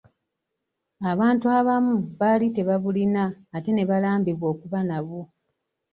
Abantu abamu bali tebabulina, ate nebalambibwa okuba nabwo.